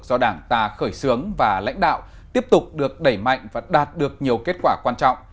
do đảng ta khởi xướng và lãnh đạo tiếp tục được đẩy mạnh và đạt được nhiều kết quả quan trọng